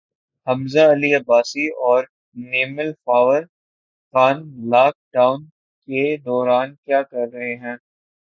حمزہ علی عباسی اور Naimal Khawar Khan lockdown کے دوران کیا کررہے ہیں